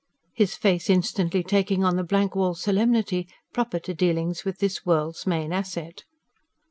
his face instantly taking on the blank wall solemnity proper to dealings with this world's main asset.